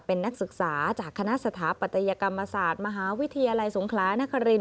เป็นนักศึกษาจากคณะสถาปัตยกรรมศาสตร์มหาวิทยาลัยสงครานคริน